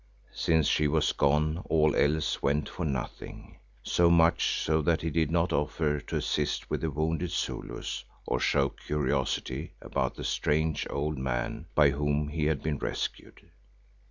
Since she was gone all else went for nothing, so much so that he did not offer to assist with the wounded Zulus or show curiosity about the strange old man by whom we had been rescued.